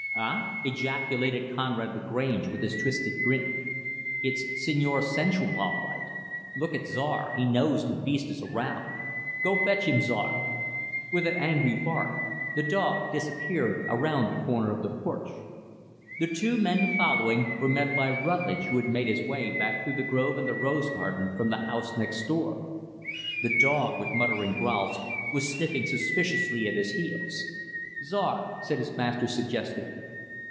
"Huh!" ejaculated Conrad Lagrange, with his twisted grin. "It's Senior 'Sensual' all right. Look at Czar; he knows the beast is around. Go fetch him, Czar." With an angry bark, the dog disappeared around the corner of the porch. The two men, following, were met by Rutlidge who had made his way back through the grove and the rose garden from the house next door. The dog, with muttering growls, was sniffing suspiciously at his heels. "Czar," said his master, suggestively.